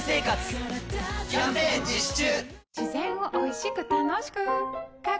キャンペーン実施中！